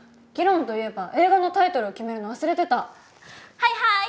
はいはい！